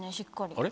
あれ？